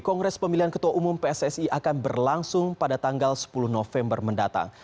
kongres pemilihan ketua umum pssi akan berlangsung pada tanggal sepuluh november mendatang